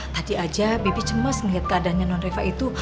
tadi aja bibi cemas ngeliat keadaannya non reva itu